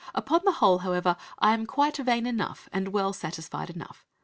Upon the whole, however, I am quite vain enough, and well satisfied enough.